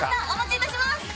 お持ちいたします。